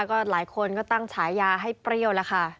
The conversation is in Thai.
ก็หลายคนก็ตั้งฉายาให้เปรี้ยวแล้วค่ะ